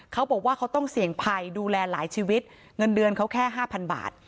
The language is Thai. เขาบอกว่าเขาต้องเสี่ยงภัยดูแลหลายชีวิตเงินเดือนเขาแค่ห้าพันบาท